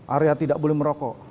area tidak boleh merokok